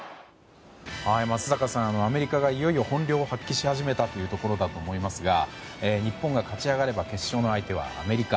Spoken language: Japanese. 松坂さん、アメリカがいよいよ本領発揮し始めたということだと思いますが日本が勝ち上がれば決勝の相手はアメリカ。